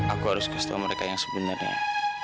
aku harus kasih tahu mereka yang sebenarnya